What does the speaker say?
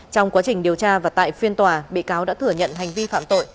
trong quá trình điều tra và tại phiên tòa bị cáo đã thừa nhận hành vi phạm tội